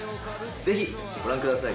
ぜひご覧ください。